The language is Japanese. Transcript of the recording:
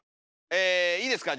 えいいですか？